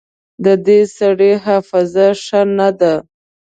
د دې سړي حافظه ښه نه ده